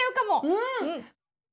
うん！